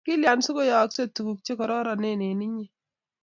Kilyan si kuyooksei tuguk che kororononen eng' inye